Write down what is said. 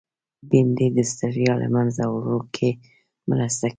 بېنډۍ د ستړیا له منځه وړو کې مرسته کوي